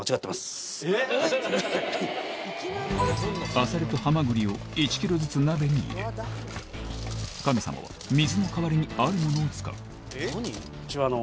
アサリとハマグリを１ｋｇずつ鍋に入れ神様は水の代わりにあるものを使ううちは。